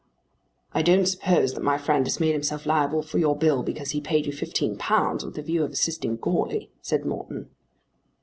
"I don't suppose that my friend has made himself liable for your bill because he paid you £15 with the view of assisting Goarly," said Morton.